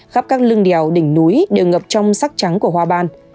khắp các lưng đèo đỉnh núi đều ngập trong sắc trắng của hoa ban